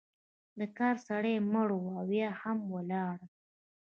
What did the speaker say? د کار سړی مړه او یا هم ولاړل.